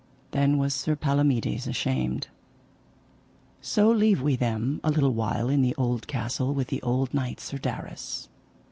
Then was Sir Palomides ashamed. So leave we them a little while in the old castle with the old knight Sir Darras.